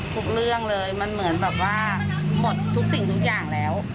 ทุกเรื่องเลยมันเหมือนแบบว่าหมดทุกสิ่งทุกอย่างแล้ว